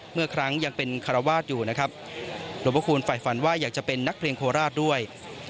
เมื่อครั้งยังเป็นคารวาสอยู่นะครับหลวงพระคูณฝ่ายฝันว่าอยากจะเป็นนักเพลงโคราชด้วย